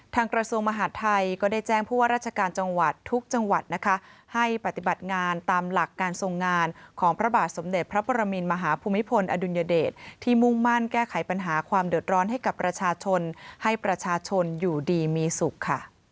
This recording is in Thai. กระทรวงมหาดไทยก็ได้แจ้งผู้ว่าราชการจังหวัดทุกจังหวัดนะคะให้ปฏิบัติงานตามหลักการทรงงานของพระบาทสมเด็จพระปรมินมหาภูมิพลอดุลยเดชที่มุ่งมั่นแก้ไขปัญหาความเดือดร้อนให้กับประชาชนให้ประชาชนอยู่ดีมีสุขค่ะ